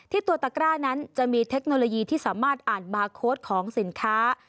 ตัวตะกร้านั้นจะมีเทคโนโลยีที่สามารถอ่านบาร์โค้ดของสินค้า